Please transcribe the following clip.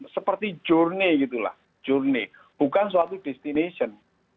seperti journey gitu lah journey bukan suatu destination